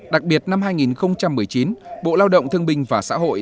đặc biệt năm hai nghìn một mươi chín bộ lao động thương binh và xã hội